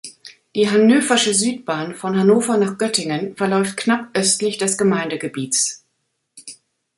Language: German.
Die Hannöversche Südbahn von Hannover nach Göttingen verläuft knapp östlich des Gemeindegebiets.